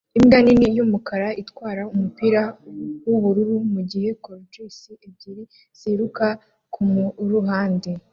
Imbwa nini yumukara itwara umupira wubururu mugihe Corgis ebyiri ziruka kumuruhande